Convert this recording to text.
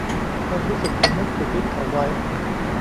ความรู้สึกสำนึกผิดยึดเขาไว้